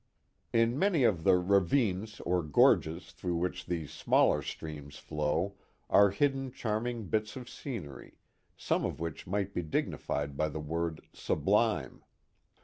In many of the ravines or gorges through which these smaller streams flow are hidden charming bits of scencrj , some of which might be dignified by the word " sublime."